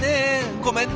ごめんね！